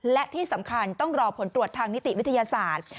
และที่สำคัญต้องรอผลตรวจทางนิติวิทยาศาสตร์